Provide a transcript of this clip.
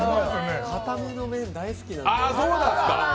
硬めの麺、大好きなので。